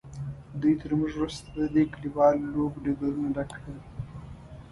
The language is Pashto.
دوی تر موږ وروسته د دې کلیوالو لوبو ډګرونه ډک کړل.